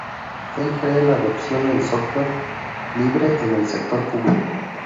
Él cree en la adopción de software libre en el sector público.